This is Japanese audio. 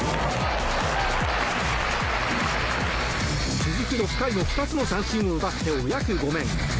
続く６回も２つの三振を奪って御役御免。